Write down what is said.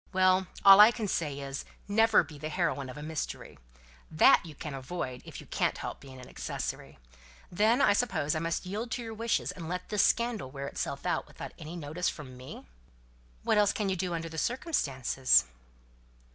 "Well, all I can say is, never be the heroine of a mystery that you can avoid, if you can't help being an accessory. Then, I suppose, I must yield to your wishes and let this scandal wear itself out without any notice from me?" "What else can you do under the circumstances?"